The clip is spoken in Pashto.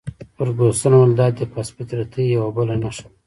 فرګوسن وویل: همدا دي د پست فطرتۍ یوه بله نښه ده.